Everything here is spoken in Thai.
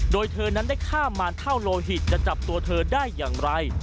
โดยเธอนั้นได้ข้ามมารเท่าโลหิตจะจับตัวเธอได้อย่างไร